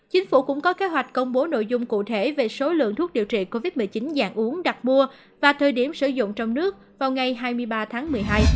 chính phủ cũng có kế hoạch công bố nội dung cụ thể về số lượng thuốc điều trị covid một mươi chín dạng uống đặt mua và thời điểm sử dụng trong nước vào ngày hai mươi ba tháng một mươi hai